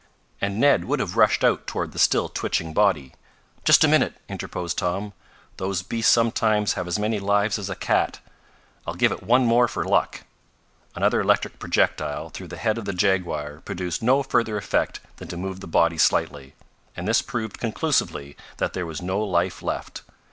And Ned would have rushed out toward the still twitching body. "Just a minute!" interposed Tom. "Those beasts sometimes have as many lives as a cat. I'll give it one more for luck." Another electric projectile through the head of the jaguar produced no further effect than to move the body slightly, and this proved conclusively that there was no life left.